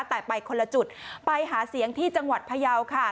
แต่ไปคนละจุดไปหาเสียงที่จังหวัดพยาวค่ะ